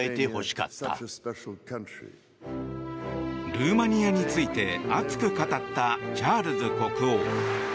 ルーマニアについて熱く語ったチャールズ国王。